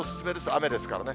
雨ですからね。